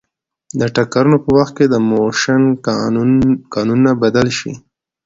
د ټکرونو په وخت د موشن قانونونه بدل شي.